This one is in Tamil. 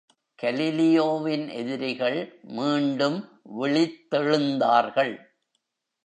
கலீலியோவின் எதிரிகள் மீண்டும் விழித்தெழுந்தார்கள்.